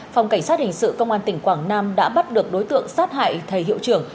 phòng cảnh sát hình sự công an tỉnh quảng nam đã bắt được đối tượng sát hại thầy hiệu trưởng